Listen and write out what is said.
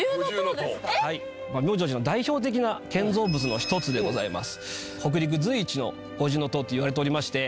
はい妙成寺の代表的な建造物の一つでございます。